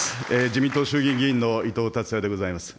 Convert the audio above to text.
自民党衆議院議員の伊藤達也でございます。